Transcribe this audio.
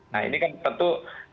nah ini kan tentu